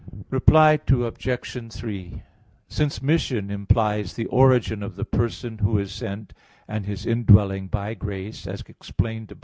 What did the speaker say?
Reply Obj. 3: Since mission implies the origin of the person Who is sent, and His indwelling by grace, as above explained (A.